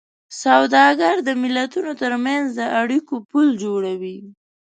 سوداګري د ملتونو ترمنځ د اړیکو پُل جوړوي.